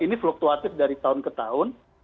ini fluktuatif dari tahun ke tahun